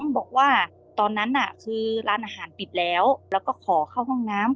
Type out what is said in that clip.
บอกว่าตอนนั้นน่ะคือร้านอาหารปิดแล้วแล้วก็ขอเข้าห้องน้ำ